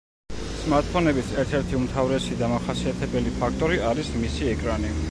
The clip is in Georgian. სმარტფონების ერთ-ერთი უმთავრესი დამახასიათებელი ფაქტორი არის მისი ეკრანი.